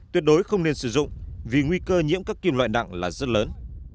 tuyệt đối không nên sử dụng vì nguy cơ nhiễm các kim loại nặng là rất lớn